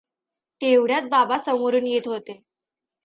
तेवढ्यात बाबा समोरून येत होते.